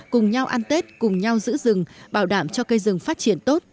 cùng nhau ăn tết cùng nhau giữ rừng bảo đảm cho cây rừng phát triển tốt